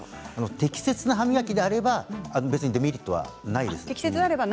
適切な歯磨きであればデメリットはないです。